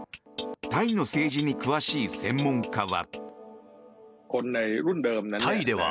タイの政治に詳しい専門家は。